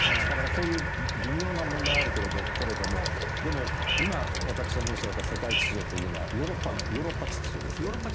そういう微妙な問題はあるけれどでも、今、私が申し上げた世界秩序というのはヨーロッパ秩序です。